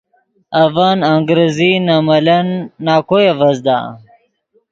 اڤن انگریزی نے ملن نَکوئے اڤزدا۔